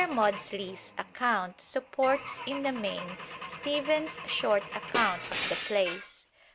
Maudslay's account supports in the main Stephens's short account of the place.